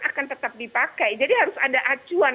akan tetap dipakai jadi harus ada acuan